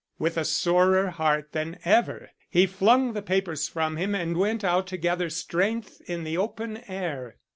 With a sorer heart than ever, he flung the papers from him and went out to gather strength in the open air.